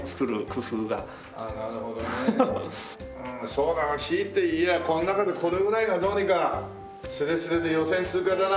そうだな強いて言えばこの中でこれぐらいがどうにかスレスレで予選通過だな。